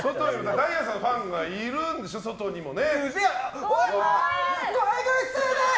ダイアンさんのファンがいるんでしょ、外にもね。